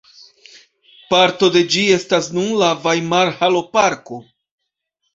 Parto de ĝi estas nun la Vajmarhaloparko.